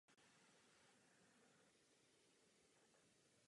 Před první světovou válkou se jeho rodina kvůli větší bezpečnosti přesunula do Německa.